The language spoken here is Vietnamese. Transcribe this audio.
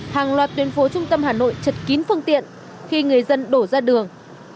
hàng loạt tuyên phố trung tâm hà nội chật kín phương tiện khi người dân đổ ra đường